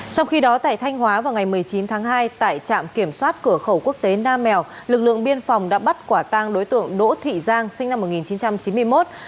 trong khi đó tại thanh hóa vào ngày một mươi chín tháng hai tại trạm kiểm soát cửa khẩu quốc tế nam mèo lực lượng biên phòng đã bắt quả tang đối tượng đỗ thị giang sinh năm một nghìn chín trăm chín mươi một